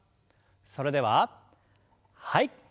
それでははい。